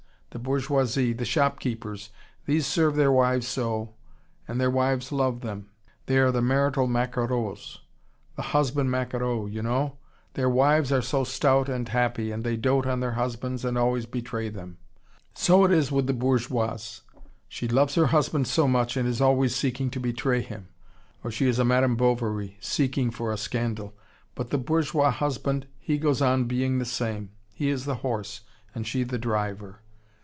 The bourgeoisie, the shopkeepers, these serve their wives so, and their wives love them. They are the marital maquereaux the husband maquereau, you know. Their wives are so stout and happy, and they dote on their husbands and always betray them. So it is with the bourgeoise. She loves her husband so much, and is always seeking to betray him. Or she is a Madame Bovary, seeking for a scandal. But the bourgeois husband, he goes on being the same. He is the horse, and she the driver.